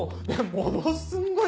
ものすんごい